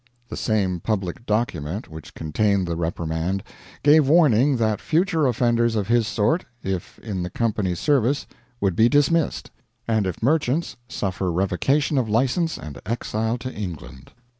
The same public document which contained the reprimand gave warning that future offenders of his sort, if in the Company's service, would be dismissed; and if merchants, suffer revocation of license and exile to England.